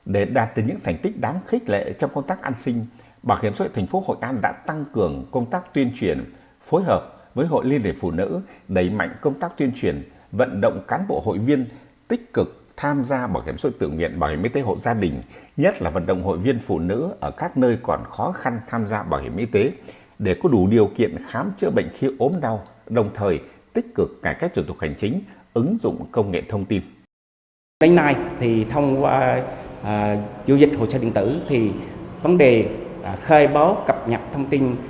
để đạt được những thành tích đáng khích lệ trong công tác an sinh bảo hiểm sôi thành phố hội an đã tăng cường công tác tuyên truyền phối hợp với hội liên lệ phụ nữ đẩy mạnh công tác tuyên truyền vận động cán bộ hội viên tích cực tham gia bảo hiểm sôi tự nguyện bảo hiểm y tế hộ gia đình nhất là vận động hội viên phụ nữ ở các nơi còn khó khăn tham gia bảo hiểm y tế để có đủ điều kiện khám chữa bệnh khi ốm đau đồng thời tích cực cải cách trường tục hành chính ứng dụng công nghệ thông tin